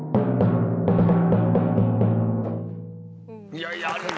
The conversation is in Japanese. いやいや。